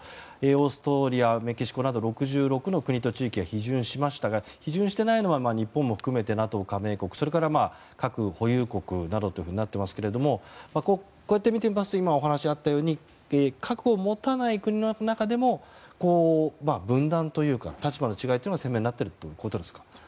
オーストリア、メキシコなど６６の国と地域が批准しましたが批准していないのは日本やＮＡＴＯ加盟国核保有国などとなっていますがこうやって見てみますと今、お話にあったように核を持たない国の中でも分断というか立場の違いが鮮明になっているということですか。